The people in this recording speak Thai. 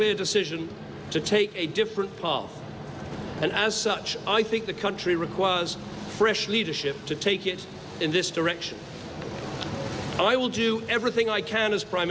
รับผิดชอบต่อสิ่งที่เกิดขึ้นครับ